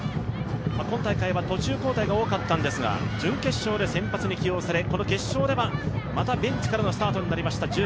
今大会は途中交代が多かったんですが準決勝で先発に起用され、この決勝では、またベンチからのスタートになりました